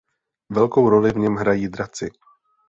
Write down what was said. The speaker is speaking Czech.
Velkou roli v něm hrají draci.